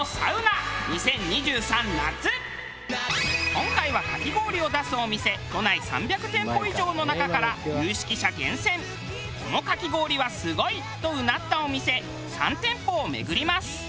今回はかき氷を出すお店都内３００店舗以上の中から有識者厳選このかき氷はすごいとうなったお店３店舗を巡ります。